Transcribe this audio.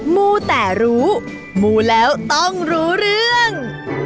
มูแต่รู้มูแล้วต้องรู้เรื่อง